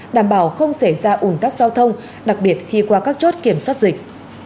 đảm bảo không xảy ra ủn tắc giao thông đặc biệt khi qua các chốt kiểm soát dịch